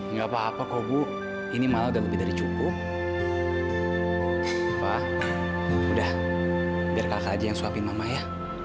sampai jumpa di video selanjutnya